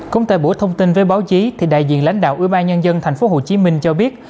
cũng tại buổi thông tin với báo chí đại diện lãnh đạo ưu ba nhân dân thành phố hồ chí minh cho biết